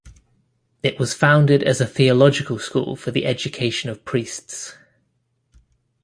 It was founded as a theological school for the education of priests.